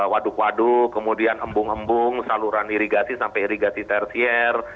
waduk waduk kemudian embung embung saluran irigasi sampai irigasi tersier